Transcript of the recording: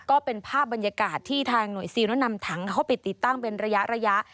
ก็เป็นภาพบรรยากาศที่ทางหน่วยซิลนั้นนำถังเข้าไปติดตั้งเป็นระยะ